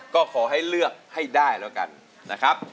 ก็ขอให้เลือกให้ได้แล้วกันนะครับ